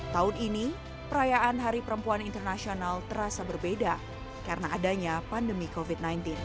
tahun ini perayaan hari perempuan internasional terasa berbeda karena adanya pandemi covid sembilan belas